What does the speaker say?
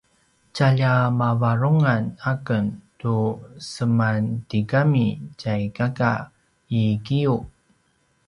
tjalja mavarungan aken tu semantigami tjai kaka i giyu